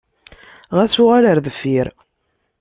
Ɣas uɣal ɣer deffir.